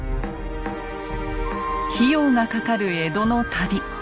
費用がかかる江戸の旅。